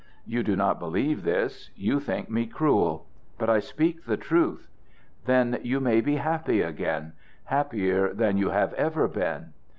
You do not believe this. You think me cruel. But I speak the truth. Then you may be happy again happier than you have ever been.